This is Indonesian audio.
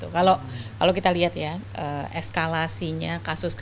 kalau kita lihat ya eskalasinya kasus